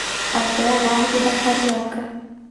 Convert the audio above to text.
Até o largo da Carioca.